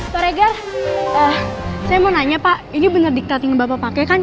pak regar saya mau nanya pak ini benar diklat yang bapak pakai kan